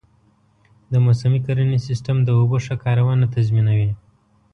د موسمي کرنې سیستم د اوبو ښه کارونه تضمینوي.